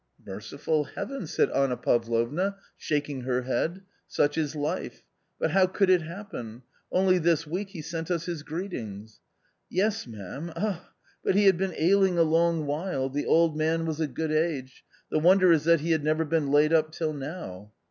"Merciful heavens," said Anna Pavlovna, shaking her head, " such is life ! But how could it happen ? Only this week he sent us his greetings." " Yes, ma'am — ah ! but he had been ailing a long while, the old man was a good age, the wonder is that he had never been laid up till now."